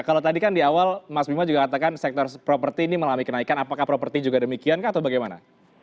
kalau tadi kan di awal mas bima juga katakan sektor properti ini melami kenaikan apakah properti juga demikian kah atau bagaimana